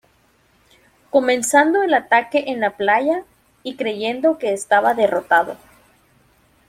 Comenzado el ataque en la playa, y creyendo que estaba derrotado.